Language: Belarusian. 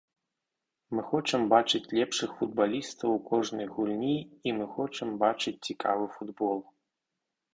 Мы хочам бачыць лепшых футбалістаў у кожнай гульні і мы хочам бачыць цікавы футбол.